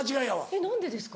えっ何でですか？